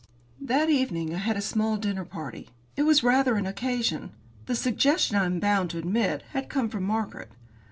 That evening I had a small dinner party. It was rather an occasion. The suggestion, I am bound to admit, had come from Margaret.